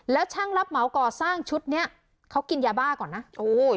แล้วช่างรับเหมาก่อสร้างชุดเนี้ยเขากินยาบ้าก่อนนะโอ้ย